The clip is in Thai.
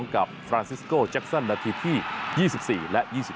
กับฟรานซิสโกแจ็คซันนาทีที่๒๔และ๒๔